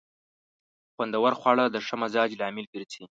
خوندور خواړه د ښه مزاج لامل ګرځي.